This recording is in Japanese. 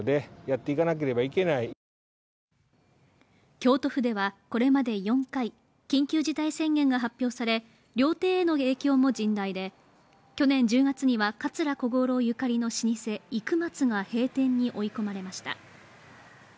京都府ではこれまで４回緊急事態宣言が発表され料亭への影響も甚大で、去年１２月には桂小五郎ゆかりの老舗・幾松が閉店に追い込まれました。